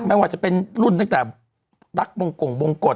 แม้ว่าจะเป็นรุ่นนั้นแต่ลักษณ์บรงกลบรงกฎ